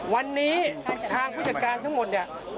วันนี้ทางผู้จัดการทั้งหมดเนี่ย